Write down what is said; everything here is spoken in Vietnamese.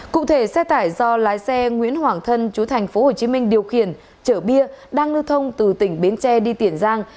cụ thể xe tải do lái xe nguyễn hoàng thân chú thành phố hồ chí minh điều khiển chở bia đang lưu thông từ tỉnh biến tre đi tiền giang